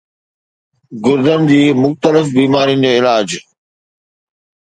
گردئن جي مختلف بيمارين جو علاج